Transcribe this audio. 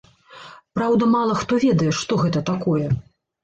Праўда, мала хто ведае, што гэта такое.